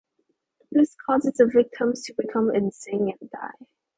This causes the victims to become insane and die.